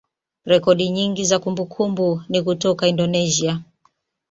rekodi nyingi za kumbukumbu ni kutoka Indonesia.